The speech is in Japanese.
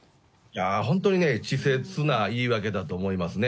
本当にね、稚拙な言い訳だと思いますね。